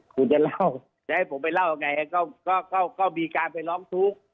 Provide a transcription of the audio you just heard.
คุณจะเล่าจะให้ผมไปเล่าไงก็มีการไปร้องทุกข์